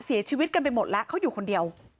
เสียชีวิตกันไปหมดแล้วเขาอยู่คนเดียว